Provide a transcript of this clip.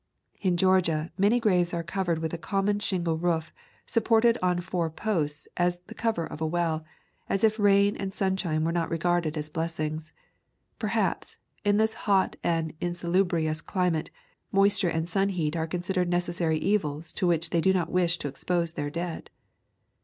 In Georgia many graves are covered with a common shingle roof, supported on four posts as the cover of a well, as if rain and sunshine were not regarded as blessings. Perhaps, in this hot and insalubrious climate, moisture and sun heat are considered necessary evils to which they do not wish to expose their dead.